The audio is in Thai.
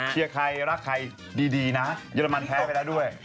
เชียร์ใครรักใครดีนะเยอรมันแพ้ไปแล้วด้วย